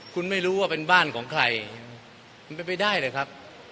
คุณไม่รู้ว่าเป็นบ้านของใครไม่ได้เลยครับ